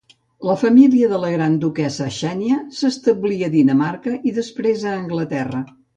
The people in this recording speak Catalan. La família de la gran duquessa Xènia s'establí a Dinamarca i després a Anglaterra.